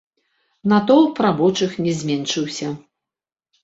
Натоўп рабочых не зменшыўся.